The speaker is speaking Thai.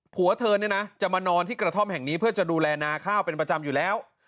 ผัวเธอเนี่ยนะจะมานอนที่กระท่อมแห่งนี้เพื่อจะดูแลนาข้าวเป็นประจำอยู่แล้ว